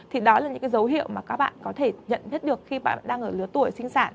thì đó là những cái dấu hiệu mà các bạn có thể nhận biết được khi bạn đang ở lứa tuổi sinh sản